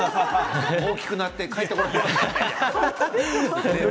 大きくなって帰ってきましたよ。